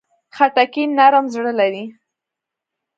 خټکی نرم زړه لري.